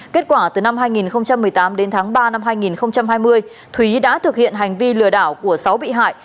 kết quả từ năm hai nghìn một mươi tám đến tháng ba năm hai nghìn hai mươi thúy đã thực hiện hành vi lừa đảo của sáu bị hại